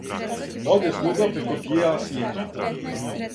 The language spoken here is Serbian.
Оде слуга преко б'јела св'јета,